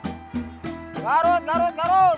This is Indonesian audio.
gak harus gak harus